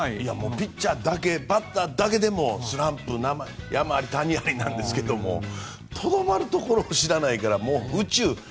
ピッチャーだけバッターだけでもスランプ山あり谷ありなんですけどとどまるところを知らないから宇宙。